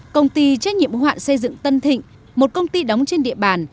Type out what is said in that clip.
công ty trách nhiệm hoạn xây dựng tân thịnh một công ty đóng trên địa bàn